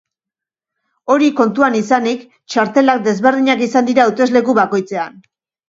Hori kontuan izanik, txartelak desberdinak izan dira hautesleku bakoitzean.